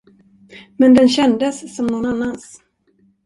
Men den kändes som nån annans.